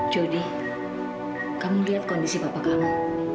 jody kamu lihat kondisi bapak kamu